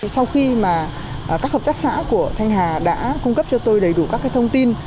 sau khi các hợp tác xã của thanh hà đã cung cấp cho tôi đầy đủ các thông tin